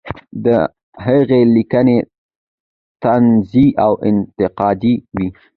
د هغې لیکنې طنزي او انتقادي وې.